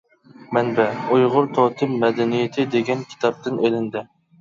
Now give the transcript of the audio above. مەنبە : ئۇيغۇر توتېم مەدەنىيىتى دېگەن كىتابتىن ئېلىندى.